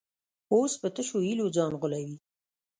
اوس په تشو هیلو ځان غولوي.